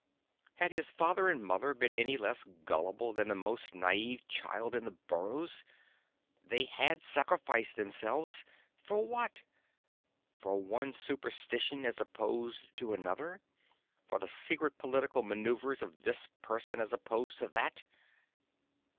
Had his father and mother been any less gullible than the most naive child in the burrows? They had sacrificed themselves for what? For one superstition as opposed to another, for the secret political maneuvers of this person as opposed to that.